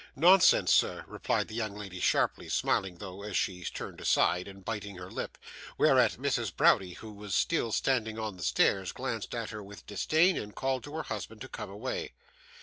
'Nonsense, sir!' replied the young lady sharply, smiling though as she turned aside, and biting her lip, (whereat Mrs. Browdie, who was still standing on the stairs, glanced at her with disdain, and called to her husband to come away).